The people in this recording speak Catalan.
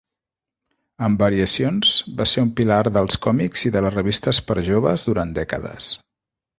Amb variacions, va ser un pilar dels còmics i de les revistes per a joves durant dècades.